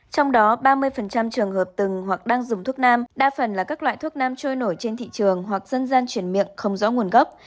trong đó ba mươi trường hợp từng hoặc đang dùng thuốc nam đa phần là các loại thuốc nam trôi nổi trên thị trường hoặc dân gian chuyển miệng không rõ nguồn gốc